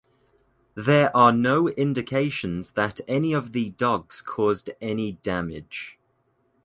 There are no indications that any of the dogs caused any damage.